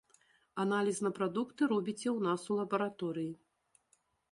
Аналіз на прадукты робіце ў нас у лабараторыі.